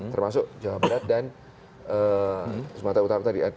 termasuk jawa barat dan sumatera utara tadi